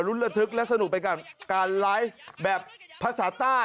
วิดีโอรุณระทึกและสนุกไปกันการไลฟ์แบบภาษาใต้